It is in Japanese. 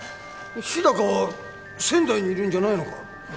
日高は仙台にいるんじゃないのか？